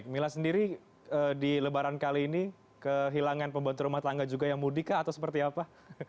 mila sendiri di lebaran kali ini kehilangan pembantu rumah tangga juga yang mudik kah atau seperti apa